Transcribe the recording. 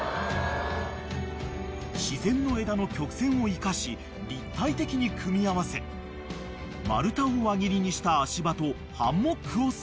［自然の枝の曲線を生かし立体的に組み合わせ丸太を輪切りにした足場とハンモックを設置］